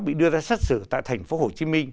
bị đưa ra xét xử tại thành phố hồ chí minh